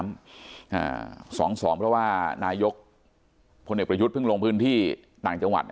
อ่าสองสองเพราะว่านายกพลเอกประยุทธ์เพิ่งลงพื้นที่ต่างจังหวัด